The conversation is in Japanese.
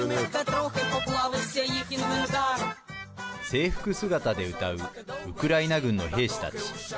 制服姿で歌うウクライナ軍の兵士たち。